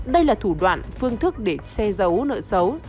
đây là thủ đoạn phương thức để che giấu nợ xấu